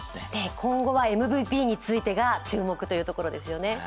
今後はＭＶＰについてが注目ということですね。